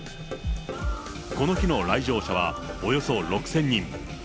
この日の来場者はおよそ６０００人。